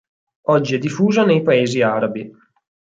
Oggi è diffusa nei Paesi arabi.